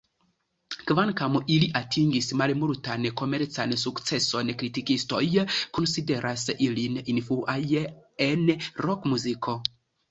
Kvankam ili atingis malmultan komercan sukceson, kritikistoj konsideras ilin influaj en rokmuziko.